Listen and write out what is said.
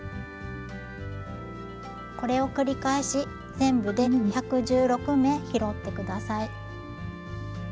これを繰り返し全部で１１６目拾って下さい。